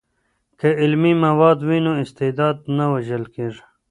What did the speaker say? که علمي مواد وي نو استعداد نه وژل کیږي.